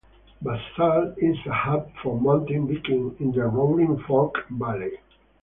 Basalt is a hub for mountain biking in the Roaring Fork valley.